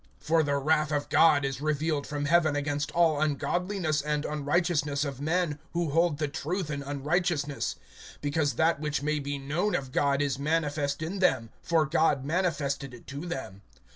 (18)For the wrath of God is revealed from heaven against all ungodliness and unrighteousness of men, who hold the truth in unrighteousness[1:18]; (19)because that which may be known of God is manifest in them; for God manifested it to them.